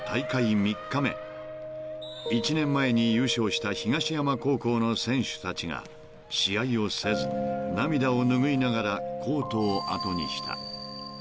［１年前に優勝した東山高校の選手たちが試合をせず涙を拭いながらコートを後にした］